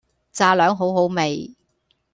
炸両好好味